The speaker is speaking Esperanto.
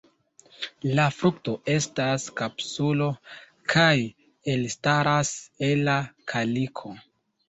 La frukto estas kapsulo kaj elstaras el la kaliko.